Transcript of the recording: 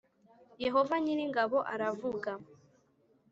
Yehova nyir ingabo aravuga